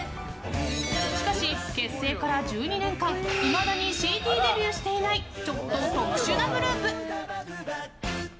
しかし、結成から１２年間いまだにＣＤデビューしていないちょっと特殊なグループ。